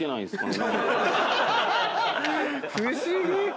不思議！